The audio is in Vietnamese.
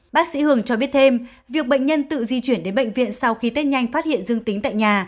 bác sĩ hường cho biết thêm việc bệnh nhân tự di chuyển đến bệnh viện sau khi tết nhanh phát hiện dương tính tại nhà